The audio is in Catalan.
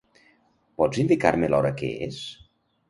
Pots indicar-me l'hora que és?